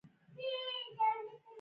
کاکړ د پښتنو یو مهم قوم دی.